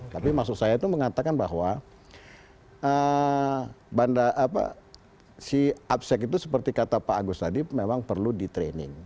tapi maksud saya itu mengatakan bahwa si absek itu seperti kata pak agus tadi memang perlu di training